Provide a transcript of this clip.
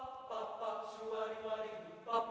pap pap shubariwari